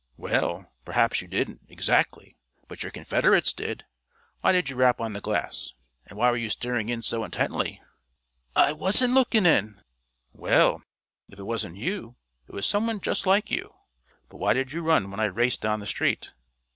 "Well, perhaps you didn't, exactly, but your confederates did. Why did you rap on the glass, and why were you staring in so intently?" "I wasn't lookin' in." "Well, if it wasn't you, it was some one just like you. But why did you run when I raced down the street?"